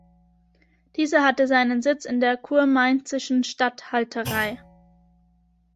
Dieser hatte seinen Sitz in der Kurmainzischen Statthalterei.